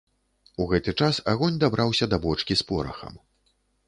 У гэты час агонь дабраўся да бочкі з порахам.